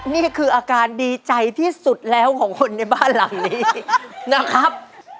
นี่คืออาการดีใจที่สุดแล้วของคนในบ้านหลังนี้นะครับ